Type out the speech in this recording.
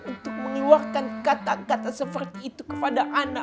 untuk mengeluarkan kata kata seperti itu kepada anak